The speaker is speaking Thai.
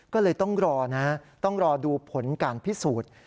ก็เลยต้องรอนะต้องรอดูผลการพิสูจน์